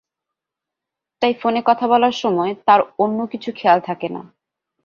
তাই ফোনে কথা বলার সময় তার অন্য কিছু খেয়াল থাকে না।